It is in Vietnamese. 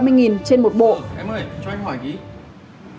em ơi cho anh hỏi ký